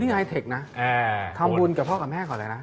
นี่ไฮเทคนะทำบุญกับพ่อกับแม่ก่อนเลยนะ